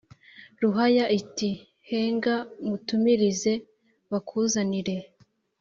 ruhaya iti « henga ngutumirize bakuzanire.»